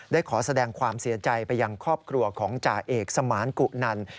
ขอแสดงความเสียใจไปยังครอบครัวของจ่าเอกสมานกุนัน